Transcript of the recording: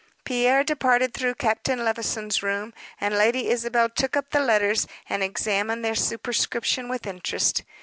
Pierre departed toward Captain Levison's room, and Lady Isabel took up the letters and examined their superscription with interest.